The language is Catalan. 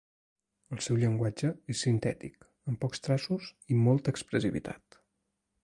El seu llenguatge és sintètic, amb pocs traços i molta expressivitat.